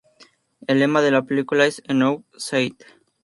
El lema de la película es "Enough said!